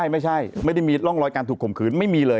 ไม่ได้มีร่องรอยการถูกข่มขืนไม่มีเลย